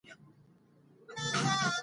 دوی ولې په تیارو کې مستیږي؟